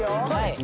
はい。